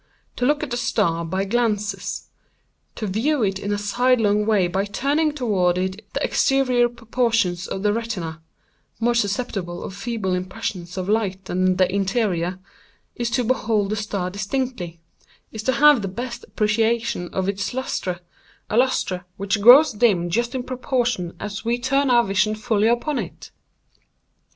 To look at a star by glances—to view it in a side long way, by turning toward it the exterior portions of the retina (more susceptible of feeble impressions of light than the interior), is to behold the star distinctly—is to have the best appreciation of its lustre—a lustre which grows dim just in proportion as we turn our vision fully upon it.